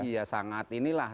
ya sangat inilah